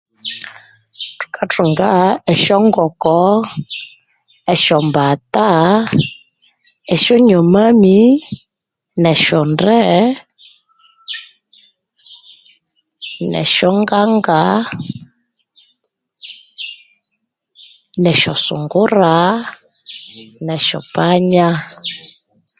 Tukatunga esyonkoko nesyombata nesyonyobani nesyonde nesyonganga nesyosungura nesyopanya